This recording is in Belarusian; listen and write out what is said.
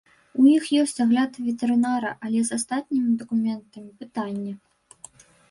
У іх ёсць агляд ветэрынара, але з астатнімі дакументамі пытанне.